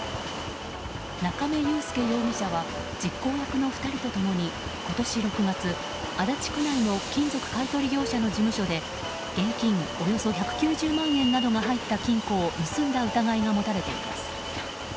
中明裕介容疑者は実行役の２人と共に今年６月、足立区内の金属買い取り業者の事務所で現金およそ１９０万円などが入った金庫を盗んだ疑いが持たれています。